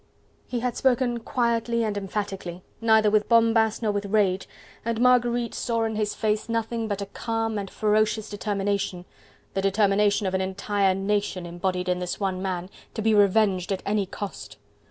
He had spoken quietly and emphatically, neither with bombast, nor with rage, and Marguerite saw in his face nothing but a calm and ferocious determination, the determination of an entire nation embodied in this one man, to be revenged at any cost.